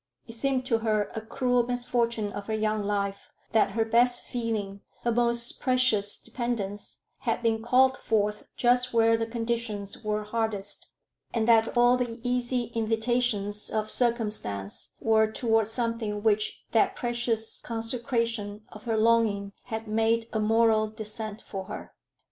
It seemed to her a cruel misfortune of her young life that her best feeling, her most precious dependence, had been called forth just where the conditions were hardest, and that all the easy invitations of circumstance were toward something which that previous consecration of her longing had made a moral descent for her.